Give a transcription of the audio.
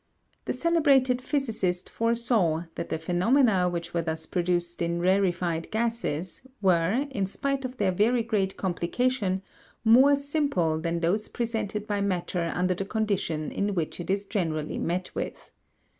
The celebrated physicist foresaw that the phenomena which were thus produced in rarefied gases were, in spite of their very great complication, more simple than those presented by matter under the conditions in which it is generally met with.